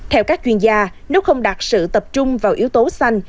theo các chuyên gia nếu không đạt sự tập trung vào yếu tố xanh